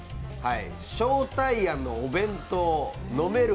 将泰庵のお弁当飲める